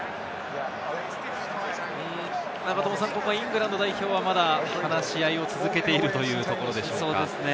ここはイングランド代表は、まだ話し合いを続けているというところでしょうか。